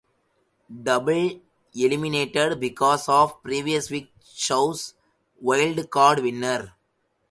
Double eliminated because of previous week chose wild card winner.